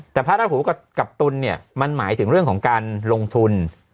แต่พระราหูกับตุลเนี่ยมันหมายถึงเรื่องของการลงทุน